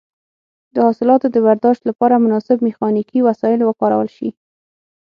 د حاصلاتو د برداشت لپاره مناسب میخانیکي وسایل وکارول شي.